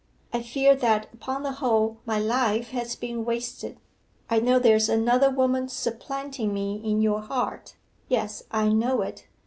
I fear that upon the whole my life has been wasted. I know there is another woman supplanting me in your heart yes, I know it.